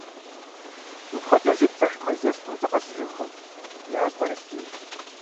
– Мыпхуэдэу зытплъыхьмэ, жэщ хъуху дыкъэсыжынкъым, – жиӀащ Бэрэсбий.